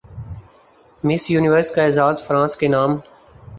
مس universe کا اعزاز France کے نام